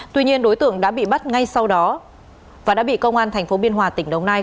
tuy nhiên đối tượng đã bị bắt ngay sau đó và đã bị công an thành phố biên hòa tỉnh đồng nai